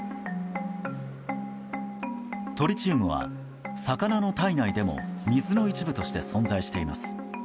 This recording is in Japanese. トリチウムは魚の体内でも水の一部として存在しています。